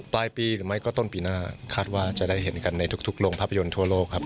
ปลายปีหรือไม่ก็ต้นปีหน้าคาดว่าจะได้เห็นกันในทุกโรงภาพยนตร์ทั่วโลกครับ